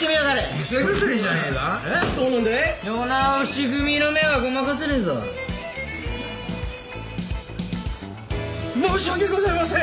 世直し組の目はごまかせねぇぞ申し訳ございません！